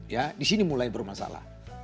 ya disini mulai bermasalah